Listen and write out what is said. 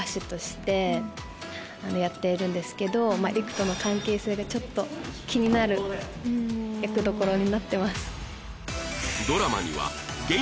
琴音ちゃんは陸との関係性がちょっと気になる役どころになってます